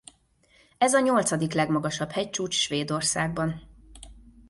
Ez a nyolcadik legmagasabb hegycsúcs Svédországban.